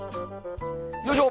よいしょ。